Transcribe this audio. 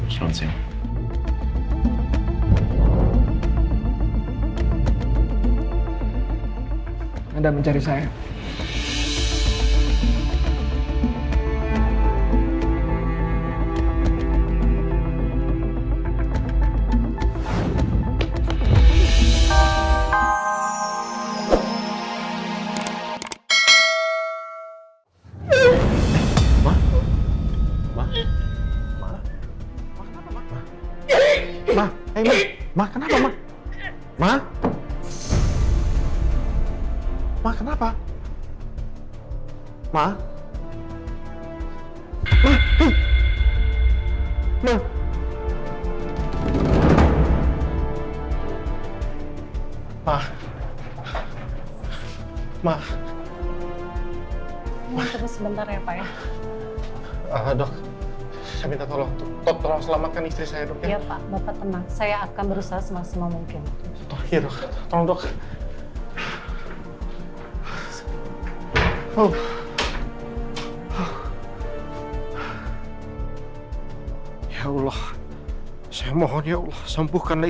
sampai jumpa di video selanjutnya